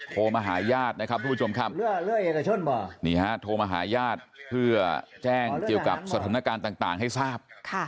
โทรมาหาญาตินะครับทุกผู้ชมครับนี่ฮะโทรมาหาญาติเพื่อแจ้งเกี่ยวกับสถานการณ์ต่างให้ทราบ